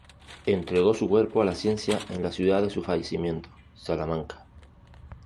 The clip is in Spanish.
Entregó su cuerpo a la ciencia en la ciudad de su fallecimiento, Salamanca.